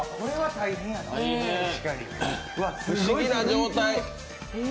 不思議な状態。